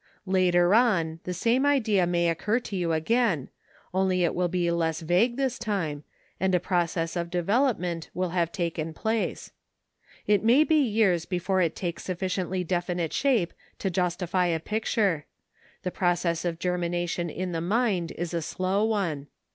Later on the same idea may occur to you again, only it will be less vague this time, and a process of development will have taken place. It may be years before it takes sufficiently definite shape to justify a picture; the process of germination in the mind is a slow one.